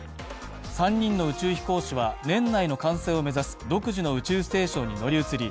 ３人の宇宙飛行士は年内の完成を目指す独自の宇宙ステーションに乗り移り、